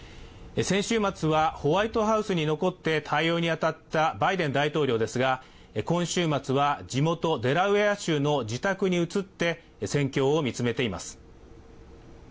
先週末はホワイトハウスに残った対応に当たったバイデン大統領ですが、今週末は地元デラウェア州の自宅に移って、戦況を見つめています。